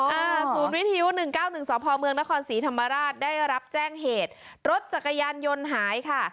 อ๋ออ่าศูนย์วิทยุ๑๙๑๒พเมนครศรีธรรมราชได้รับแจ้งเหตุรถจักรยานยนต์หายค่ะ